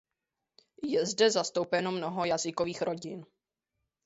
Je zde zastoupeno mnoho jazykových rodin.